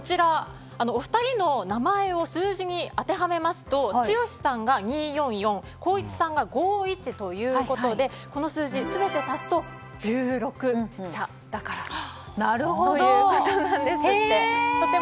お二人の名前を数字に当てはめますと剛さんが２４４光一さんが５１ということでこの数字全て足すと１６社だからということなんですって。